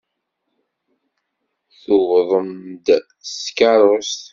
Tuwḍem-d s tkeṛṛust.